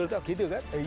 betul itu kan